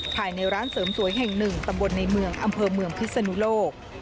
ภายในร้านเสริมสวยแห่งหนึ่งตำบลในเมืองอำเภอเมืองพิศนุโลก